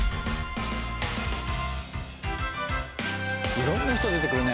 いろんな人が出てくるね